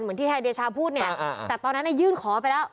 เหมือนที่แฮร์เดชาพูดเนี่ยแต่ตอนนั้นยื่นขอไปแล้ว